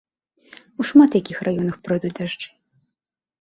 У шмат якіх раёнах пройдуць дажджы.